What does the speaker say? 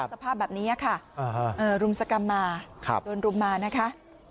สภาพแบบนี้ค่ะอ่าฮะเอ่อรุมสกรรมมาครับโดนรุมมานะคะ